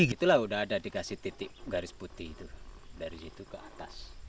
itulah udah ada dikasih titik garis putih itu dari situ ke atas